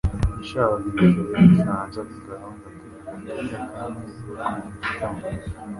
Yashakaga ingofero y'igifaransa ku gahanga pe agapira kamwe ku itama pe